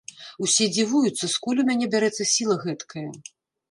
Усе дзівуюцца, скуль у мяне бярэцца сіла гэткая?